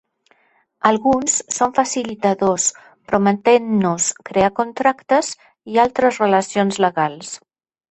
Alguns són facilitadors, prometent-nos crear contractes i altres relacions legals.